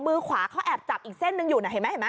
มือขาเขาแอบจับอีกเส้นหนึ่งอยู่นะเห็นไหม